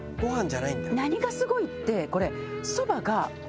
何がすごいってこれ。